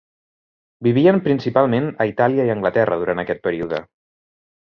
Vivien principalment a Itàlia i Anglaterra durant aquest període.